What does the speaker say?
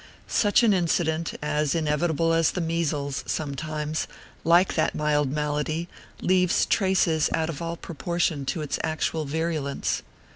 Such an incident, as inevitable as the measles, sometimes, like that mild malady, leaves traces out of all proportion to its actual virulence.